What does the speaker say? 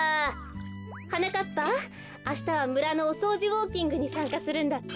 はなかっぱあしたはむらのおそうじウォーキングにさんかするんだって？